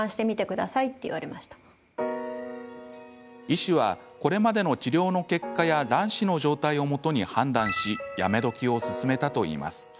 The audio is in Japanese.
医師は、これまでの治療の結果や卵子の状態をもとに判断しやめ時をすすめたといいます。